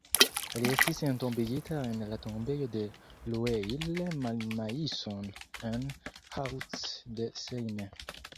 Li estis entombigita en la tombejo de Rueil-Malmaison en Hauts-de-Seine.